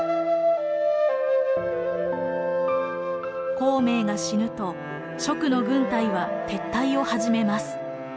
孔明が死ぬと蜀の軍隊は撤退を始めます。